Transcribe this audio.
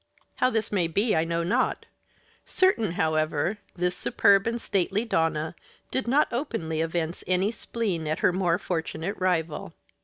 How this may be I know not; certain, however, this superb and stately donna did not openly evince any spleen at her more fortunate rival.